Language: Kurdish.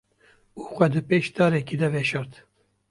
Û xwe di piş darekê de veşart.